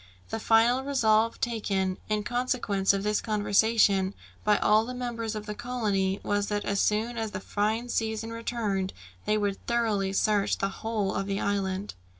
The final resolve taken, in consequence of this conversation, by all the members of the colony, was that as soon as the fine season returned they would thoroughly search the whole of the island.